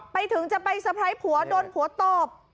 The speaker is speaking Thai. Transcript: ไปถึงจะไปสะพายผัวโดนผัวตอบ